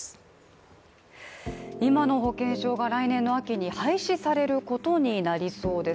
今の保険証が来年の秋に廃止されることになりそうです。